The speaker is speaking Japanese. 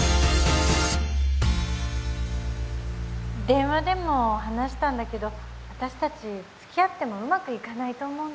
電話でも話したんだけど私たち付き合ってもうまくいかないと思うんだ。